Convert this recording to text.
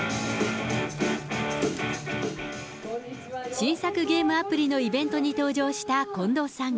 新作ゲームアプリのイベントに登場した近藤さん。